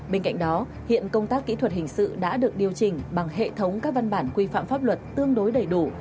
bên cạnh đó hiện công tác kỹ thuật hình sự đã được điều chỉnh bằng hệ thống các văn bản quy phạm pháp luật tương đối đầy đủ